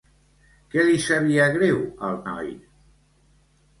Què li sabia greu al noi?